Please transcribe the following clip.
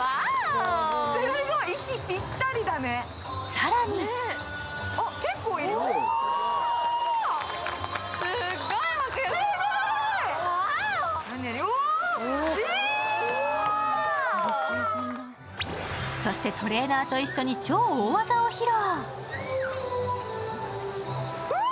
更にそして、トレーナーと一緒に超大技を披露。